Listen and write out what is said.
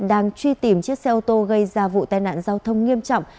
đang truy tìm chiếc xe ô tô gây ra vụ tai nạn giao thông nghiêm trọng